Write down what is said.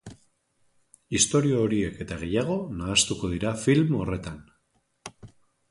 Istorio horiek eta gehiago nahastuko dira film horretan.